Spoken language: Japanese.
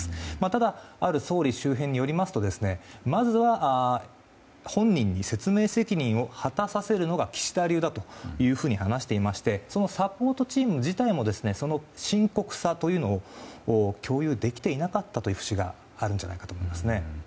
ただ、ある総理周辺によりますとまずは本人に説明責任を果たさせるのが岸田流と話していましてそのサポートチーム自体もその深刻さというのを共有できていなかったという節があるんじゃないかと思います。